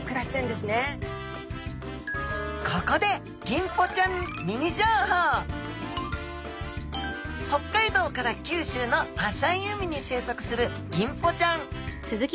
ここで北海道から九州の浅い海に生息するギンポちゃん。